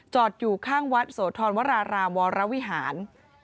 อยู่ข้างวัดโสธรวรารามวรวิหาร